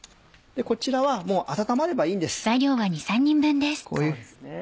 こちらはもう温まればいいんです。